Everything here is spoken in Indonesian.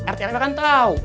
rt rw kan tahu